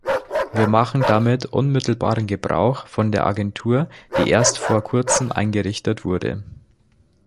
Wir machen damit unmittelbaren Gebrauch von der Agentur, die erst vor kurzem eingerichtet wurde.